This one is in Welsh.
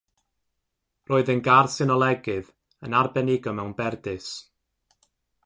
Roedd yn garsinolegydd, yn arbenigo mewn berdys.